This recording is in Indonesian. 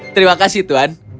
terima kasih tuan